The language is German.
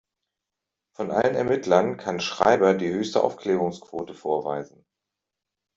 Von allen Ermittlern kann Schreiber die höchste Aufklärungsquote vorweisen.